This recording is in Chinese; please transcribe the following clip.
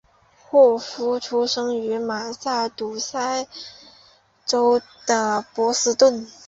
霍夫出生于马萨诸塞州的波士顿。